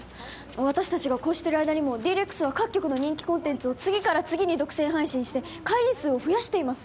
私達がこうしてる間にもＤ−ＲＥＸは各局の人気コンテンツを次から次に独占配信して会員数を増やしています